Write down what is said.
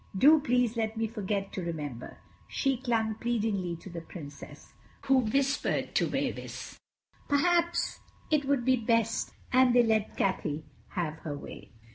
Do please let me forget to remember." She clung pleadingly to the Princess, who whispered to Mavis, "Perhaps it would be best," and they let Cathay have her way.